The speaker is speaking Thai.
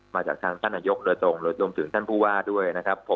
มาจากทางท่านนายกโดยตรงรวมถึงท่านผู้ว่าด้วยนะครับผม